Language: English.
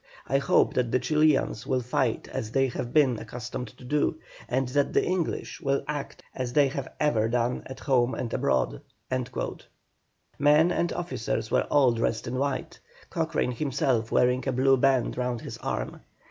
I hope that the Chilians will fight as they have been accustomed to do, and that the English will act as they have ever done at home and abroad." Men and officers were all dressed in white, Cochrane himself wearing a blue band round his arm.